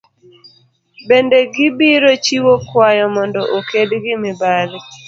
Bende gibiro chiwo kwayo mondo oked gi mibadhi.